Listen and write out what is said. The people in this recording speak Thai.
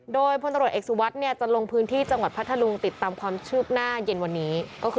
ผลประตนาคารเอ็กซุวัสจะลงพื้นที่จังหวัดภัทรติดตามความชืบหน้าเย็นวันนี้